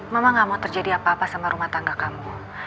mama gak mau terjadi apa apa sama rumah tangga kamu